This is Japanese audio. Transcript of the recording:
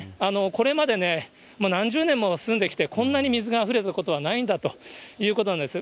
これまでに何十年も住んできて、こんなに水があふれたことはないんだということなんです。